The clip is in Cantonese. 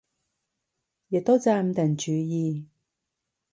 亦都揸唔定主意